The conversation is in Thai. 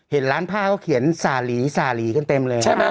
เห็นร้านผ้าเขาเขียนสาหรี่สาหรี่เต็ม